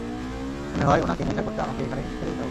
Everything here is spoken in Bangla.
মনে হয় ওনাকে নেশা কমাতে আমাকে এখানেই ছেড়ে যেতে হবে।